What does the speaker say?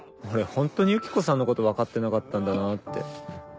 ホントにユキコさんのこと分かってなかったんだなって。